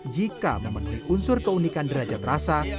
jika memenuhi unsur keunikan derajat rasa